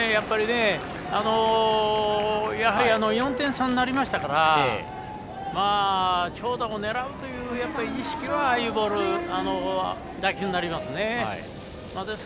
やはり、４点差になりましたから長打を狙うという意識はああいうボール、打球になります。